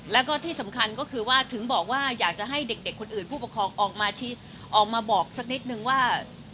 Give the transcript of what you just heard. แล้วก็ที่สำคัญก็คือว่าถึงบอกว่าอยากจะให้เด็กคนอื่นผู้ปกครองออกมาบอกสักนิดนึงว่า